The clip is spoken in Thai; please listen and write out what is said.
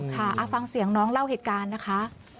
ค่ะฟังเสียงน้องเล่าเหตุการณ์นะคะ